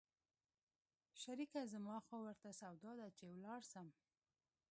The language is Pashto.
شريکه زما خو ورته سودا ده چې ولاړ سم.